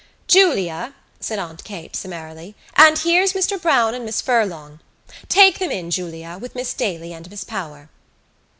"Julia," said Aunt Kate summarily, "and here's Mr Browne and Miss Furlong. Take them in, Julia, with Miss Daly and Miss Power."